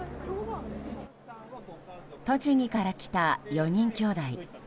栃木から来た４人きょうだい。